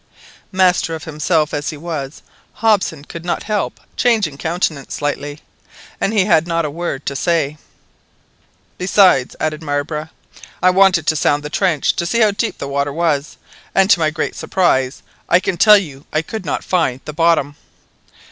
Master of himself as he was, Hobson could not help changing countenance slightly, and he had not a word to say. "Besides," added Marbre, "I wanted to sound the trench, to see how deep the water was, and to my great surprise, I can tell you, I could not find the bottom."